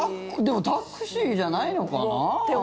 でも、タクシーじゃないのかな？